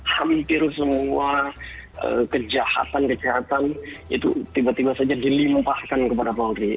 hampir semua kejahatan kejahatan itu tiba tiba saja dilimpahkan kepada polri